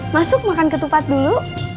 masuk makan ketupat dulu